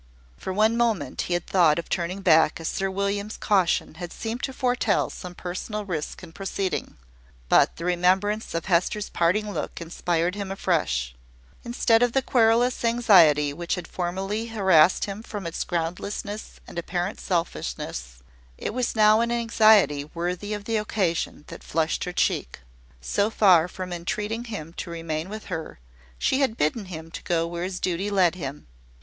For one moment he had thought of turning back, as Sir William's caution had seemed to foretell some personal risk in proceeding; but the remembrance of Hester's parting look inspired him afresh. Instead of the querulous anxiety which had formerly harassed him from its groundlessness and apparent selfishness, it was now an anxiety worthy of the occasion that flushed her cheek. So far from entreating him to remain with her, she had bidden him go where his duty led him.